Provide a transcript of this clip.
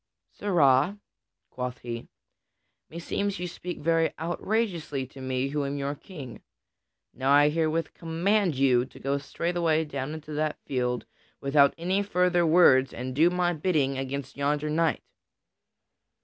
"Sirrah," quoth he, "meseems you speak very outrageously to me who am your King. Now I herewith command you to go straightway down into that field without any further words and to do my bidding against yonder knight."